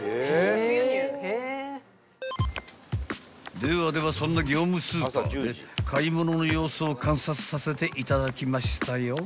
［ではではそんな業務スーパーで買い物の様子を観察させていただきましたよ］